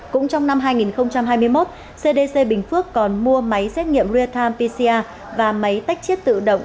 cũng trong năm hai nghìn hai mươi một cdc bình phước còn mua máy xét nghiệm real time pcr và máy tách chiết tự động